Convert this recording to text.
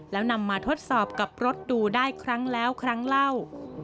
แล้วนำมาทดสอบกับรถดูได้ครั้งแล้วครั้งเล่า